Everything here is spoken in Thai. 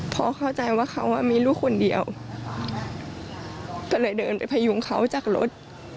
พอเข้าใจว่าเขามีลูกคนเดียวก็เลยเดินไปพยุงเขาจากรถ